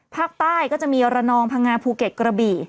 ภาคใต้ก็จะมีระนองพังงาภูเก็ตกระบี่